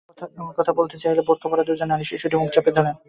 কথা বলতে চাইলে বোরকা পরা দুজন নারী শিশুটির মুখ চেপে ধরেন।